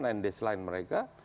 dan daseline mereka